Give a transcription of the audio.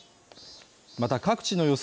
また各地の予想